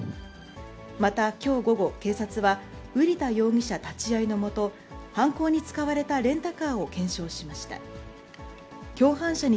また、きょう午後、警察は、瓜田容疑者立ち会いのもと、犯行に使われた、レンタカーを借りていたことも分かりました。